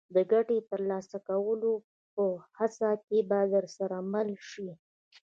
د ګټې ترلاسه کولو په هڅه کې به درسره مل شي.